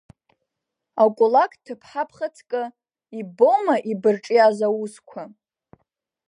Акәылак ҭыԥҳа бхаҵкы, иббома ибырҿиаз аусқәа?!